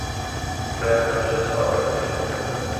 براکەم شەش ساڵ لە من بچووکترە.